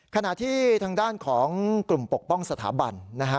ขณะที่ทางด้านของกลุ่มปกป้องสถาบันนะฮะ